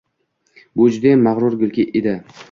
Bu judayam mag‘rur gul edi...